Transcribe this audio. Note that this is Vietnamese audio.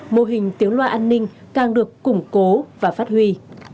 mô hình tiếng loa an ninh càng được củng cố và phát huy